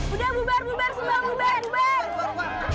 udah bubar bubar semua bubar